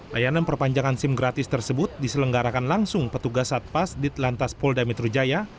layanan perpanjangan sim gratis tersebut diselenggarakan langsung petugas satpas dit lantas pol damitrujaya